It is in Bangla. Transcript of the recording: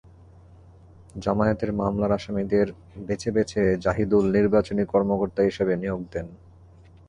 জামায়াতের মামলার আসামিদের বেছে বেছে জাহিদুল নির্বাচনী কর্মকর্তা হিসেবে নিয়োগ দেন।